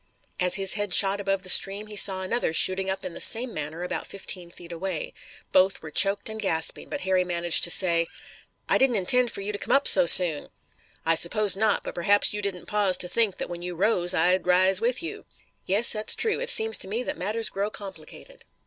As his head shot above the stream he saw another shooting up in the same manner about fifteen feet away. Both were choked and gasping, but Harry managed to say: "I didn't intend for you to come up so soon." "I suppose not, but perhaps you didn't pause to think that when you rose I'd rise with you." "Yes, that's true. It seems to me that matters grow complicated.